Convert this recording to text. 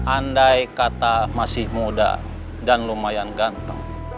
andai kata masih muda dan lumayan ganteng